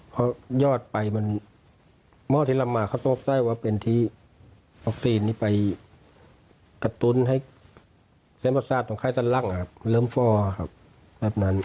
เพราะยอดไปมันเมื่ออาทิตย์ลำมาเขาโทรไซด์ว่าเป็นที่ออกซีนไปกระตุ้นให้เซ็นต์ประชาติของไข้ตั้งล่างอ่ะเริ่มฟ่อครับแบบนั้น